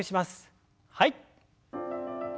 はい。